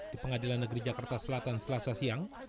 di pengadilan negeri jakarta selatan selasa siang